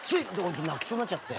本当泣きそうになっちゃって。